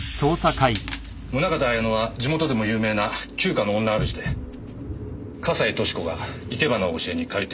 宗方綾乃は地元でも有名な旧家の女主で笠井俊子が生け花を教えに通っていました。